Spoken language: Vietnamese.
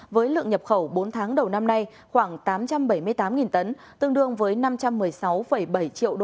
với lượng nhập khẩu bốn tháng đầu năm nay khoảng tám trăm bảy mươi tám tấn tương đương với năm trăm một mươi sáu bảy triệu usd